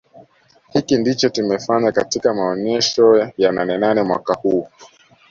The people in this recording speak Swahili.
Hiki ndicho tumefanya katika maonesho ya Nanenane mwaka huu